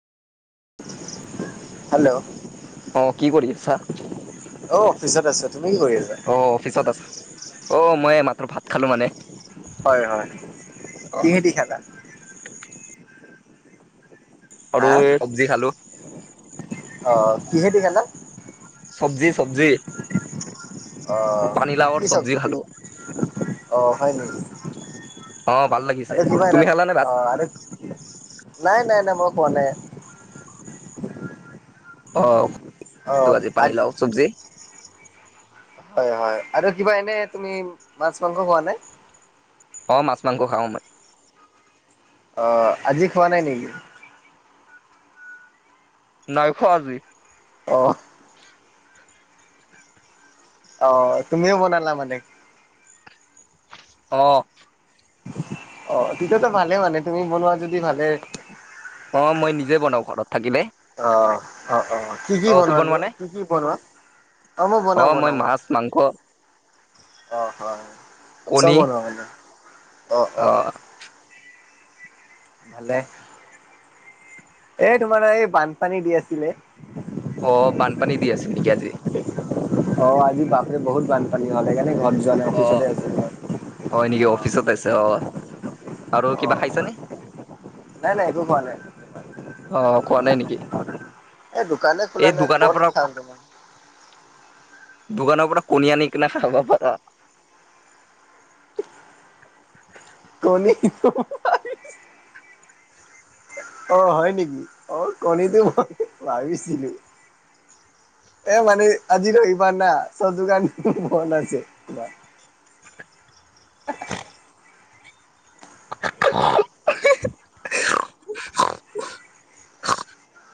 Hello অঁ কি কৰিছা অ অফিচত আছোঁ তুমি কি কৰি আছা? [unintelligible] অঁ মই মাত্ৰ ভাত খালোঁ মানে হয় হয় কিহেদি খালা আৰু হা এই চব্জি খালো অ কিহেদি খালা? চব্জি চব্জি অ পানী লাৱৰ চব্জি খালো অ হয় নেকি? অ ভাল লাগিছে তুমি খালানে [inaudible] অ ভাত নাই নাই নাই মই খোৱা নাই অ অ [unintelligible] আজি আজ পানী লাও চব্জি হয় হয় আৰু কিবা এনে তুমি মাছ, মাংস খোৱা নে? অ মাছ, মাংস খাওঁ মই অ আজি খোৱা নাই নেকি? নাই খোৱা আজি অঁ অ তুমিও বনালা মানে অ অ তেতিয়াতো ভালে মানে তুমি বনোৱা যদি ভালে অ মই নিজে বনাওঁ ঘৰত থাকিলে অ অ অ কি অ কি তুমি বনো বনোৱা নে কি কি বনোৱা, অ মই বনাও বনাও মই মাংস অ হয় চব কণী বনোৱা মানে অ অ ভালে এ তোমাৰ এই বানপানী দি আছিলে অ বানপানী দি আছে নেকি আজি অ আজি বাপৰে বহুত বানপানী হ'ল সেইকাৰণে ঘৰত যোৱা নাই অ অফিচতে আছে ঘ হয় নেকি অফিচত আছে অ আৰু অ কিবা খাইছে নে? নাই নাই একো পোৱা নাই। অ খোৱা নাই নেকি এই দোকানে খোলা এই নাই দোকানৰ ক'ত পৰা, খাম তোমাৰ দোকানৰ পৰা কণী আনি কিনে খাব পাৰ কণি অ হয় নেকি, অ কণীটো ভাবিছিলোঁ এ মানে আজি ৰবি বা না চব দোকান বন্ধ আছে [unintelligible]